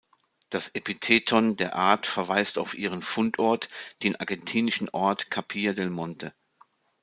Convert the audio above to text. Das Epitheton der Art verweist auf ihren Fundort, den argentinischen Ort Capilla del Monte.